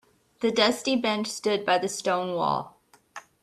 The dusty bench stood by the stone wall.